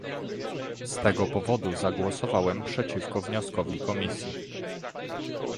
Z tego powodu zagłosowałem przeciwko wnioskowi Komisji